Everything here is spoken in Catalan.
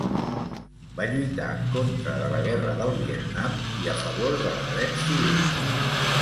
Va lluitar en contra de la Guerra del Vietnam i a favor dels drets civils.